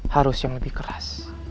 harus yang lebih keras